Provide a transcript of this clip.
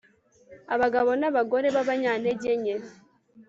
abagabo n'abagore b'abanyantegenke